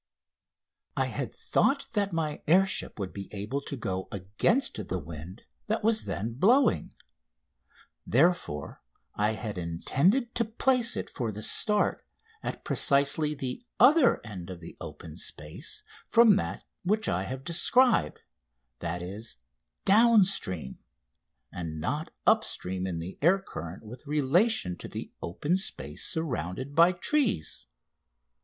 I had thought that my air ship would be able to go against the wind that was then blowing, therefore I had intended to place it for the start at precisely the other end of the open space from that which I have described that is, down stream, and not up stream in the air current with relation to the open space surrounded by trees.